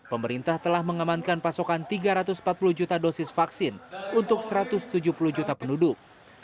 pemerintah telah mengamankan pasokan tiga ratus empat puluh juta dosis vaksin untuk satu ratus tujuh puluh juta penduduk